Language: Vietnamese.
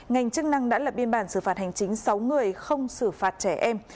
ngành chức năng đã lập biên bản xử phạt hành chính sáu người không xử phạt trẻ em